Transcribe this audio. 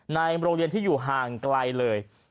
ในโรงเรียนที่อยู่ห่างไกลเลย